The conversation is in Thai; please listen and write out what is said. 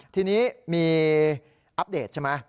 ทีนี้มีอัปเดตใช่ไหม